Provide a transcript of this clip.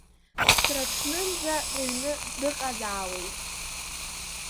Ԥсраҽнынӡа рыҩны дыҟазаауеит.